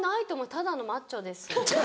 ただのマッチョです。